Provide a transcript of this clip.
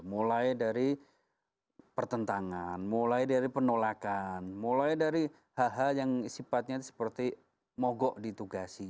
mulai dari pertentangan mulai dari penolakan mulai dari hal hal yang sifatnya seperti mogok ditugasi